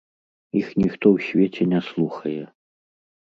Іх ніхто ў свеце не слухае.